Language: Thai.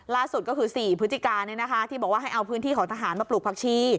ล่าสุดก็คือ๔พฤศจิกาที่บอกว่าให้เอาพื้นที่ของทหารมาปลูกผักชี